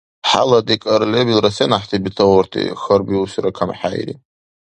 — ХӀела-декӀар лебилра сен гӀяхӀти бетаурти? — хьарбиусира камхӀейри.